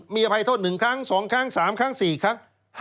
มีอภัยโทษ๑ครั้ง๒ครั้ง๓ครั้ง๔ครั้ง